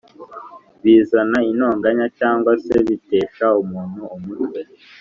Bizana intonganya cyangwa se bitesha umuntu umutwe